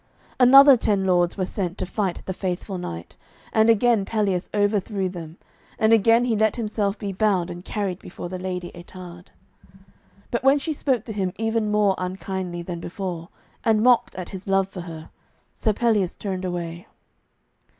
Another ten lords were sent to fight the faithful knight, and again Pelleas overthrew them, and again he let himself be bound and carried before the Lady Ettarde. But when she spoke to him even more unkindly than before, and mocked at his love for her, Sir Pelleas turned away.